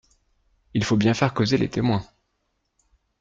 Il faut bien faire causer les témoins.